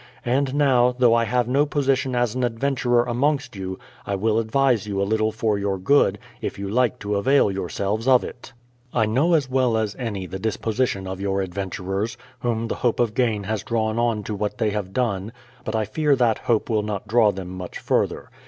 ... And now, though I have no position as an adventurer amongst you, I will advise you a httle for your good, if you like to avail yourselves of it. I know as well as any the disposition of your adventurers, whom the hope of gain has drawn on to what they have done ; but I fear that hope will not draw them much further.